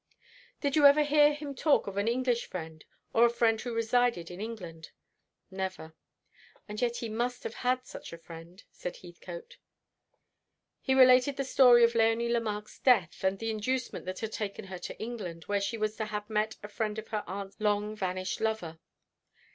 "Did you ever hear him talk of an English friend, or a friend who resided in England?" "Never." "And yet he must have had such a friend," said Heathcote. He related the story of Léonie Lemarque's death, and the inducement that had taken her to England, where she was to have met a friend of her aunt's long vanished lover.